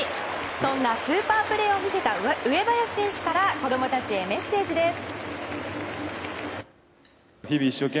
そんなスーパープレーを見せた上林選手から子供たちへメッセージです。